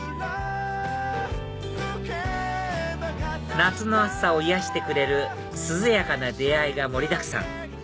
夏の暑さを癒やしてくれる涼やかな出会いが盛りだくさん